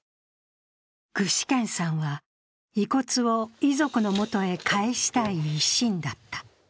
具志堅さんは、遺骨を遺族の元へ帰したい一心だった。